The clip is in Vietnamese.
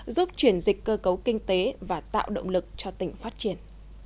giúp chuyển dịch cơ cấu kinh tế và tạo động lực cho tỉnh phát triển